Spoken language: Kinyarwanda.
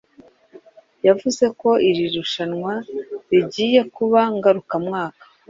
yavuze ko iri rushanwa rigiye kuba ngarukamwaka.